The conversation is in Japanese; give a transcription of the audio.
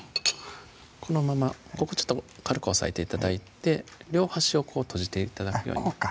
このままここちょっと軽く押さえて頂いて両端をこう閉じて頂くようにあっ